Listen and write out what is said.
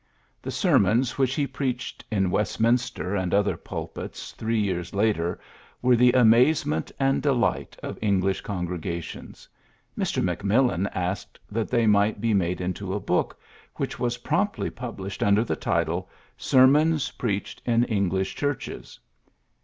The sermons which he preached in Westminster and other pulpits three years later were the amaze ment and delight of English congrega tions. Mr. Macmillan asked that they might be made into a book, which was promptly published under the title Ser rtums preached in English Churches.